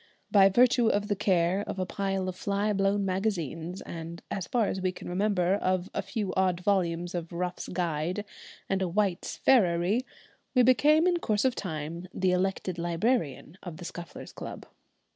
By virtue of the care of a pile of fly blown magazines, and as far as we can remember of a few odd volumes of 'Ruff's Guide' and a 'White's Farriery,' we became in course of time the elected librarian of the Scufflers' Club.